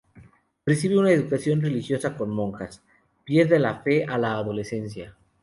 Recibe una educación religiosa con monjas, pierde la fe a la adolescencia.